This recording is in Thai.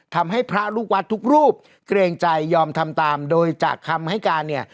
ทำให้พระลูกวัดทุกรูปเกรงใจยอมทำตามโดยจากคำให้การเนี่ย